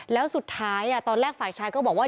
แล้วสุดท้ายตอนแรกฝ่ายชายก็บอกว่า